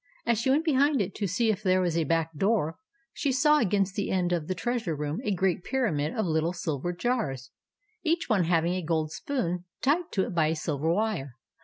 As she went behind it to see if there was a back door, she saw against the end of the Treasure Room a great pyramid of little silver jars, each one having a gold spoon tied to it by a silver wire.